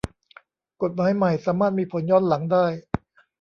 กฎหมายใหม่สามารถมีผลย้อนหลังได้